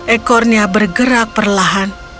ekornya bergerak perlahan